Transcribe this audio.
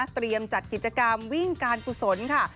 จัดกิจกรรมวิ่งการกุศลค่ะ